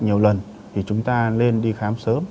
nhiều lần thì chúng ta nên đi khám sớm